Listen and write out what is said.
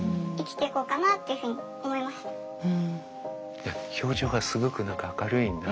いや表情がすごく何か明るいなと。